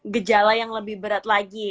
gejala yang lebih berat lagi